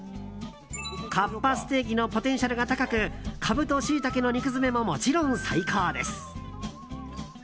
かっぱステーキのポテンシャルが高くカブとシイタケの肉詰めももちろん最高です。